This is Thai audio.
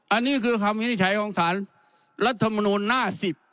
อันนี้คือคำวินิจฉัยของสารรัฐมนูลหน้า๑๐